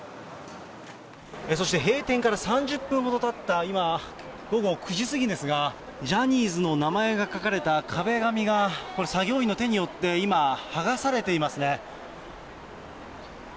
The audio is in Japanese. そして閉店から３０分ほどたった、今、午後９時過ぎですが、ジャニーズの名前が書かれた壁紙が、これ、作業員の手によって今、剥がされていますね。